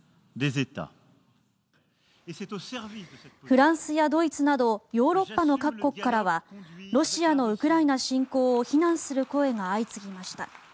フランスやドイツなどヨーロッパの各国からはロシアのウクライナ侵攻を非難する声が相次ぎました。